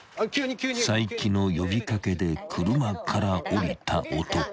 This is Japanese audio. ［齋木の呼び掛けで車から降りた男］